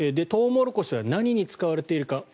トウモロコシは何に使われているか。